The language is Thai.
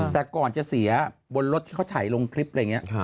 แต่ก่อนจะเสียบนรถที่เขาถ่ายลงคลิปอะไรอย่างนี้